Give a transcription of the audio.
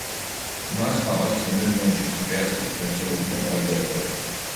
მას თაყვანს სცემდნენ რომშიც, უპირატესად მებრძოლები და გლადიატორები.